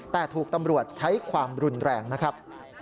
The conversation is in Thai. แต่ถูกตำรวจใช้ความรุนแรงนะครับ